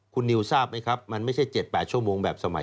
คุณนิวทราบไหมครับมันไม่ใช่๗๘ชั่วโมงแบบสมัย